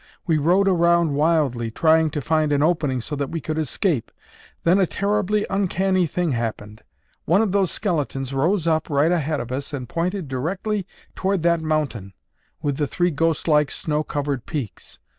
We rode around wildly trying to find an opening so that we could escape. Then a terribly uncanny thing happened. One of those skeletons rose up right ahead of us and pointed directly toward that mountain with the three ghost like snow covered peaks.